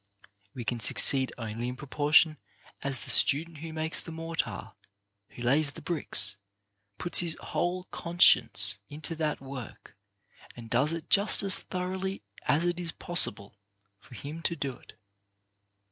We can succeed only in proportion as the student who makes the mortar, who lays the bricks, puts his whole conscience into that work, and does it just as thoroughly as it is possible^ for him to do it.